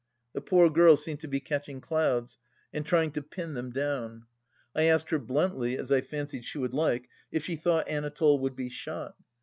The poor girl seemed to be catching clouds, and trying to pin them down. I asked her bluntly, as I fancied she would like, if she thought Anatole would be shot